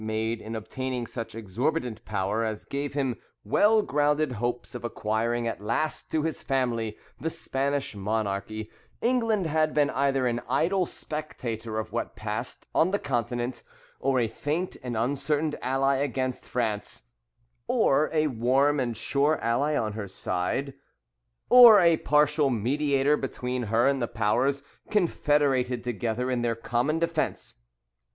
made in obtaining such exorbitant power, as gave him well grounded hopes of acquiring at last to his family the Spanish monarchy, England had been either an idle spectator of what passed on the continent, or a faint and uncertain ally against France, or a warm and sure ally on her side, or a partial mediator between her and the powers confederated together in their common defence.